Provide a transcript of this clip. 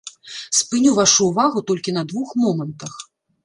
Спыню вашу ўвагу толькі на двух момантах.